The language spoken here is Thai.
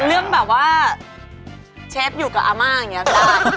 เรื่องแบบว่าเชฟอยู่กับอาม่าอย่างนี้ค่ะ